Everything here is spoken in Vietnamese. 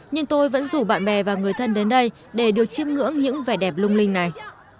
nhưng tôi vẫn rủ bạn bè và người thân đến đây để được chiêm ngưỡng những vẻ đẹp lung linh này